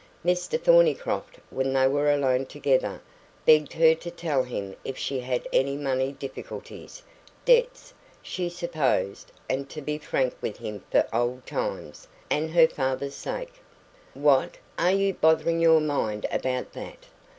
Mr Thornycroft, when they were alone together, begged her to tell him if she had any money difficulties debts, she supposed and to be frank with him for old times' and her father's sake. "What! are you bothering your mind about that?"